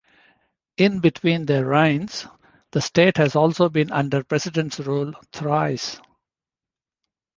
In between their reigns, the state has also been under President's rule thrice.